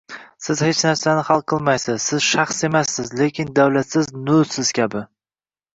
Siz hech narsani hal qilmaysiz, siz shaxs emassiz, lekin davlatsiz nolsiz kabi